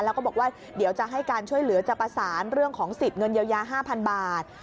แล้วก็บอกว่าเดี๋ยวจะให้การช่วยเหลือจะประสานเรื่องของสิทธิ์เงินเยียวยา๕๐๐บาท